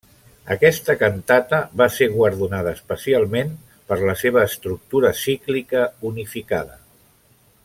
Aquesta cantata va ser guardonada especialment per la seva estructura cíclica unificada.